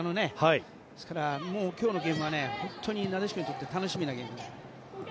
ですから、今日のゲームは本当になでしこにとっては楽しみなゲームだね。